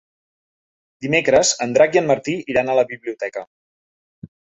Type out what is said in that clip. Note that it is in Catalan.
Dimecres en Drac i en Martí iran a la biblioteca.